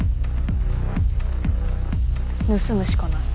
盗むしかない。